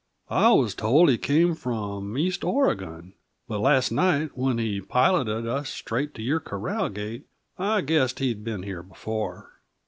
"I was told he came from east Oregon. But last night, when he piloted us straight to your corral gate, I guessed he'd been here before.